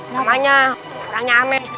namanya orangnya ame